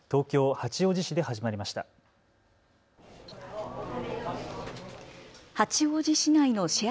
八王子市内のシェア